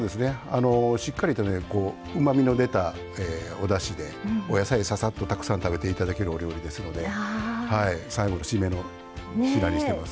しっかりとうまみの出たおだしでお野菜、ささっとたくさん食べていただけるお料理ですので最後の締めの品にしてます。